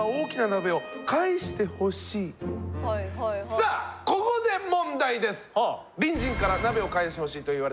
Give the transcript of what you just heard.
さあここで問題です。